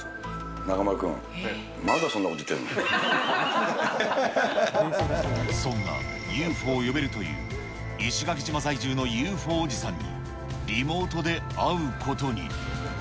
中丸君、まだそんなこと言っそんなＵＦＯを呼べるという、石垣島在住のＵＦＯおじさんに、リモートで会うことに。